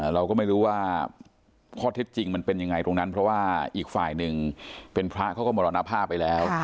เราก็ไม่รู้ว่าข้อเท็จจริงมันเป็นยังไงตรงนั้นเพราะว่าอีกฝ่ายหนึ่งเป็นพระเขาก็มรณภาพไปแล้ว